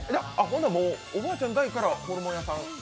おばあちゃんの代からホルモン屋さん？